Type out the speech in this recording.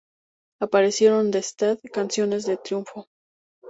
Aparecieron en Stead "Canciones de Triunfo".